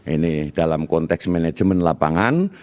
ini dalam konteks manajemen lapangan